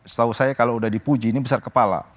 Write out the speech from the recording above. setahu saya kalau udah dipuji ini besar kepala